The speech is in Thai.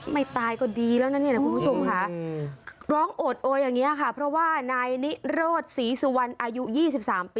ไม่ติดกับเหล็กสมมุตตกคุณ